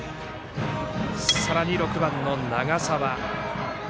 さらに、６番の長澤。